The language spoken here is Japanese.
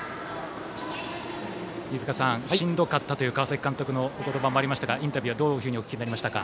飯塚さん、しんどかったという川崎監督のお言葉もありましたがインタビューはどういうふうにお聞きになりましたか。